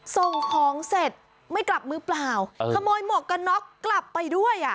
ส่งของเสร็จไม่กลับมือเปล่าขโมยหมวกกันน็อกกลับไปด้วยอ่ะ